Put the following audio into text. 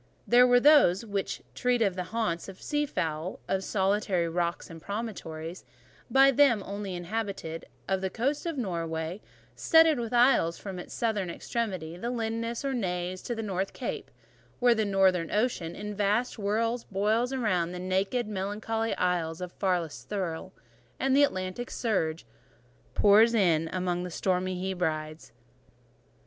They were those which treat of the haunts of sea fowl; of "the solitary rocks and promontories" by them only inhabited; of the coast of Norway, studded with isles from its southern extremity, the Lindeness, or Naze, to the North Cape— "Where the Northern Ocean, in vast whirls, Boils round the naked, melancholy isles Of farthest Thule; and the Atlantic surge Pours in among the stormy Hebrides."